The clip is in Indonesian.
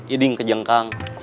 idinq ke jengkang